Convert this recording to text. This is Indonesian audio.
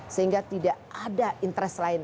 sehingga tidak ada interest lain